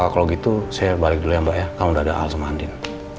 kalau gitu saya balik dulu ya mbak ya kalau udah ada hal sama andin